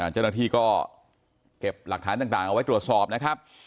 เจ้าหน้าที่ก็เก็บหลักฐานต่างเอาไว้ตรวจสอบนะครับ